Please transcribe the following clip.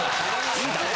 いいだろ。